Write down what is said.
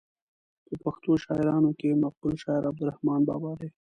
په پښتو شاعرانو کې مقبول شاعر عبدالرحمان بابا دی.